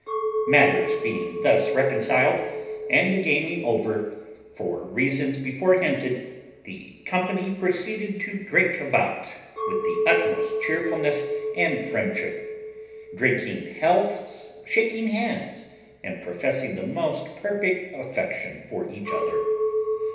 Matters being thus reconciled, and the gaming over, from reasons before hinted, the company proceeded to drink about with the utmost chearfulness and friendship; drinking healths, shaking hands, and professing the most perfect affection for each other.